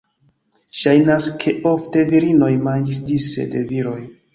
Ŝajnas, ke ofte virinoj manĝis dise de viroj.